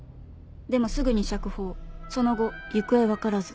「でもすぐに釈放その後行方わからず」。